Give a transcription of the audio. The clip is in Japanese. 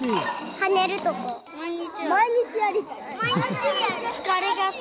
跳ねるとこ。